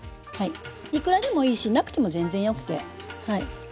いくらでもいいしなくても全然よくて。